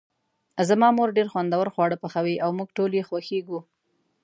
زما مور ډیر خوندور خواړه پخوي او موږ ټول یی خوښیږو